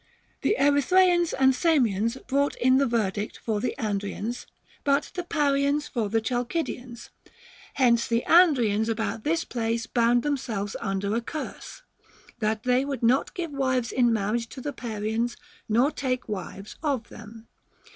The Erythraeans and Samians brought in the verdict for the Andrians, but the THE GREEK QUESTIONS. 279 Parians for the Chalcidians; hence the Andrians about this place bound themselves under a curse, that they would not aive wives in marriage to the Parians nor take wives of them.